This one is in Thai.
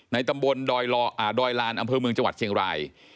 ตำบลดอยลานอำเภอเมืองจังหวัดเชียงราย